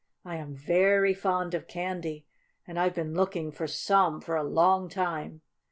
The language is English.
I am very fond of candy, and I've been looking for some for a long time.